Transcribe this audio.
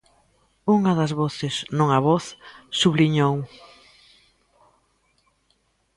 Unha das voces, non a voz, subliñou.